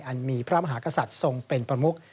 อันมีพระมหากษัตริย์ทรงเป็นประมุก